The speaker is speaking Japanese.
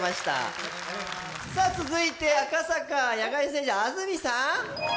続いては赤坂野外ステージ安住さん。